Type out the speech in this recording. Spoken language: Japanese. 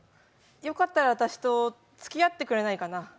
よかったら私とつきあってくれないかな？